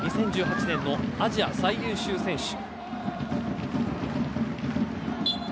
２０１８年のアジア最優秀選手。